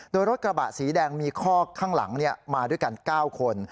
โดยรถกระบะสีแดงมีคอกข้างหลังมาด้วยกัน๙คน